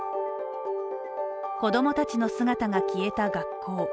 子供たちの姿が消えた学校。